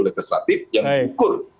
legislatif yang ukur